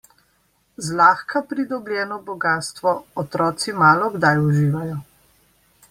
Zlahka pridobljeno bogastvo otroci malokdaj uživajo.